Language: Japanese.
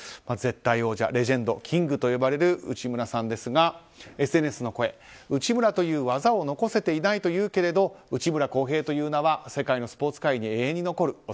絶対王者、レジェンド、キングと呼ばれる内村さんですがＳＮＳの声、ウチムラという技を残せていないというけれど内村航平という名は世界のスポーツ界に永遠に残る。